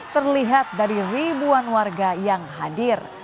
terlihat dari ribuan warga yang hadir